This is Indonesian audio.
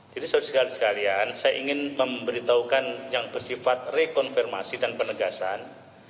jadi saya ingin memberitahukan yang bersifat rekonfirmasi dan penegasan